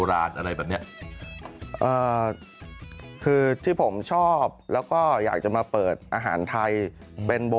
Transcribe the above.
ข้างบัวแห่งสันยินดีต้อนรับทุกท่านนะครับ